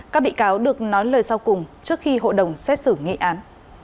các bị cáo được nói lời sau cùng trước khi hội đồng xét xử nghị án